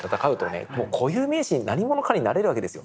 固有名詞に何者かになれるわけですよ。